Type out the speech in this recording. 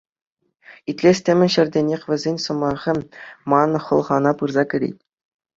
Итлес темен ҫӗртенех вӗсен сӑмахӗ ман хӑлхана пырса кӗрет.